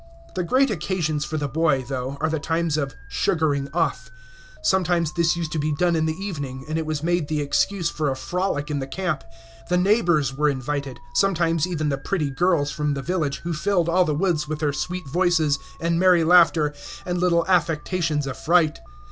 The great occasions for the boy, though, are the times of "sugaring off." Sometimes this used to be done in the evening, and it was made the excuse for a frolic in the camp. The neighbors were invited; sometimes even the pretty girls from the village, who filled all the woods with their sweet voices and merry laughter and little affectations of fright.